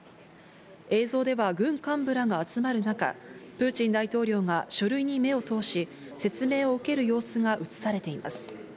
映像では軍幹部らが集まる中、プーチン大統領が書類に目を通し、説明を受ける様子が映されています。